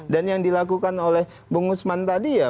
dan yang dilakukan oleh bung usman tadi ya